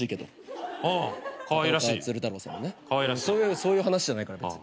そういう話じゃないから別に。